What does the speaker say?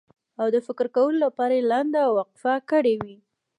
او د فکر کولو لپاره یې لنډه وقفه کړې وي.